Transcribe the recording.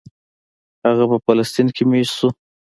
هغه په فلسطین کې مېشت شو.